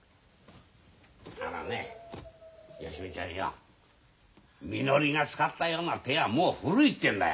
あのね芳美ちゃんよみのりが使ったような手はもう古いってんだよ。